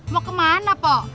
mau kemana pok